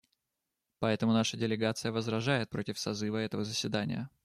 Поэтому наша делегация возражает против созыва этого заседания.